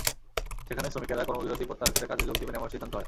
সেখানে শ্রমিকেরা কর্মবিরতি প্রত্যাহার করে কাজে যোগ দেবেন এমন সিদ্ধান্ত হয়।